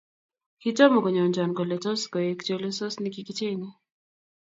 Kitomo konyoncho kole tos koek chelosos nekikichengei